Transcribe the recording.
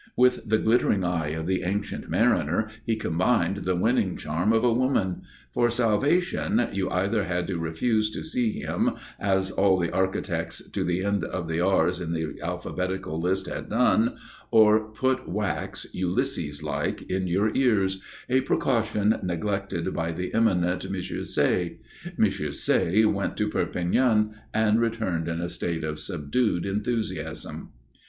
With the glittering eye of the Ancient Mariner he combined the winning charm of a woman. For salvation, you either had to refuse to see him, as all the architects to the end of the R's in the alphabetical list had done, or put wax, Ulysses like, in your ears, a precaution neglected by the eminent M. Say. M. Say went to Perpignan and returned in a state of subdued enthusiasm.